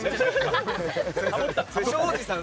庄司さん